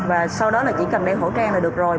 và sau đó là chỉ cần đeo khẩu trang là được rồi